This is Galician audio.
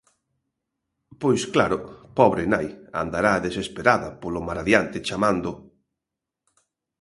_Pois claro, pobre nai, andará desesperada polo mar adiante chamando: